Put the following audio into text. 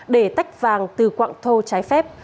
để tách vàng từ quạng thô trái phép